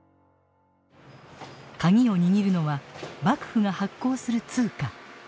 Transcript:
鍵を握るのは幕府が発行する通貨。